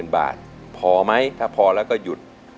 บาทพอไหมถ้าพอแล้วก็หยุด